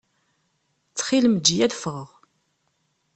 Ttxil-m eǧǧ-iyi ad ffɣeɣ.